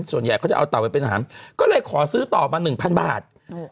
ส่วนใหญ่เขาจะเอาเต่าไปเป็นอาหารก็เลยขอซื้อต่อมา๑๐๐๐บาท